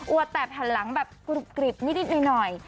อัวเตบหันหลังแบบกริบนิดหน่อย